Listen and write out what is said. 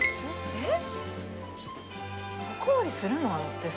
えっ？